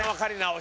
お。